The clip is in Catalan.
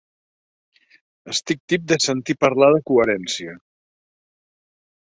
Estic tip de sentir parlar de coherència.